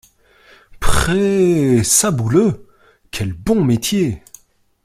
Prrré Sabouleux ! quel bon métier !